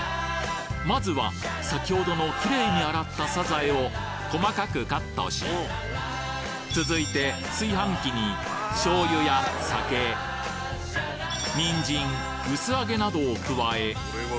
まずは先ほどのキレイに洗ったサザエを細かくカットし続いて炊飯器に醤油や酒にんじん薄揚げなどを加え